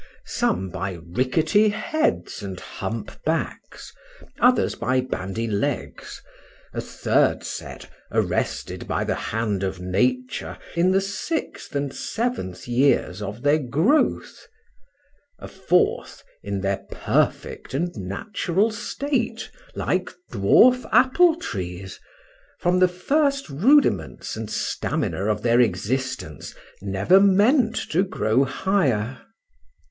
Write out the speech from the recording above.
—some by rickety heads and hump backs;—others by bandy legs;—a third set arrested by the hand of Nature in the sixth and seventh years of their growth;—a fourth, in their perfect and natural state like dwarf apple trees; from the first rudiments and stamina of their existence, never meant to grow higher.